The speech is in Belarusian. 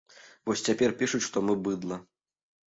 Вось цяпер пішуць, што мы быдла.